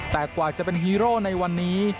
แต่กว่าจะเป็นฮีโร่ในวันนี้